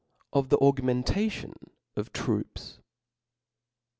Of the Augmentation of Troops.